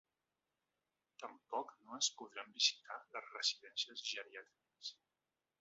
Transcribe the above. Tampoc no es podran visitar les residències geriàtriques.